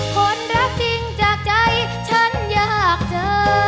คนรักจริงจากใจฉันอยากเจอ